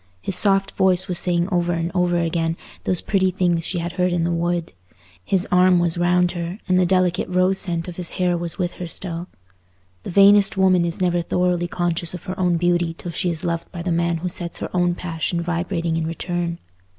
His soft voice was saying over and over again those pretty things she had heard in the wood; his arm was round her, and the delicate rose scent of his hair was with her still. The vainest woman is never thoroughly conscious of her own beauty till she is loved by the man who sets her own passion vibrating in return.